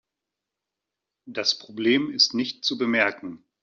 Das Problem ist nicht zu bemerken.